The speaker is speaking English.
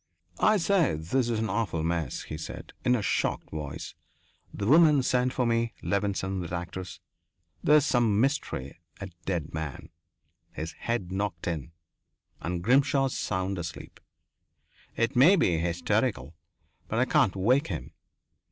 "I say, this is an awful mess," he said, in a shocked voice. "The woman sent for me Levenson, that actress. There's some mystery. A man dead his head knocked in. And Grimshaw sound asleep. It may be hysterical, but I can't wake him.